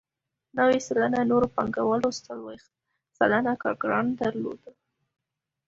نوي سلنه نورو پانګوالو څلوېښت سلنه کارګران درلودل